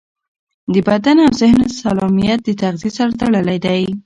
د بدن او ذهن سالمیت د تغذیې سره تړلی دی.